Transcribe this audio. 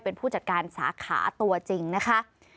เป็นผู้จัดการสาขาตัวจริงนะคะ